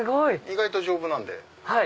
意外と丈夫なんで。